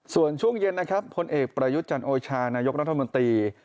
ส่วนช่วงเย็นนะครับพลเอกประยุทธ์จันโอชานายกรัฐมนตรี